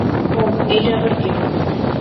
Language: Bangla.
ওহ, এইটা আবার কে?